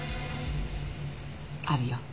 あるよ。